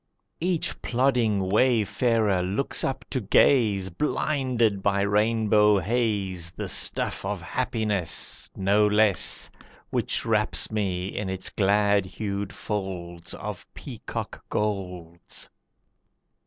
Each plodding wayfarer looks up to gaze, Blinded by rainbow haze, The stuff of happiness, No less, Which wraps me in its glad hued folds Of peacock golds.